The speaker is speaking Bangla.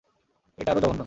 এটা আরো জঘন্য।